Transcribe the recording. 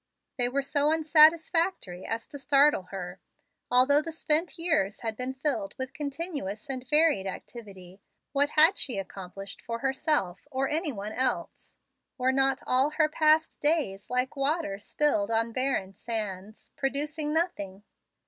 They were so unsatisfactory as to startle her. Although the spent years had been filled with continuous and varied activity, what had she accomplished for herself or any one else? Were not all her past days like water spilled on barren sands, producing nothing?